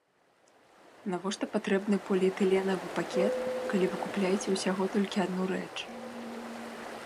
Навошта патрэбны поліэтыленавы пакет, калі вы купляеце ўсяго толькі адну рэч?